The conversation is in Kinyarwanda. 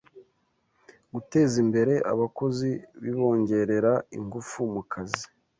Gutezimbere abakozi bibongerera ingufu mukazi